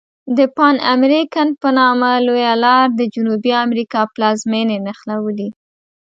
د پان امریکن په نامه لویه لار د جنوبي امریکا پلازمیني نښلولي.